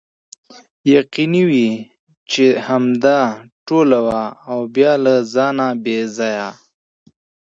یقیني وه چې همدا ټوله وه او بیا له ځانه بې ځایه.